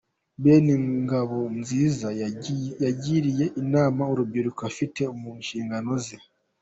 Ben Ngabonziza yagiriye inama urubyiruko afite mu nshingano ze.